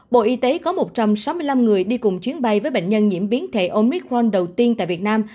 bộ y tế có một trăm sáu mươi năm người đi cùng chuyến bay với bệnh nhân nhiễm biến thể omicron đầu tiên tại việt nam